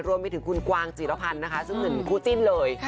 รวมมีถึงคุณกวางจิรภัณฑ์นะคะซึ่งหนึ่งคู่จิ้นเลย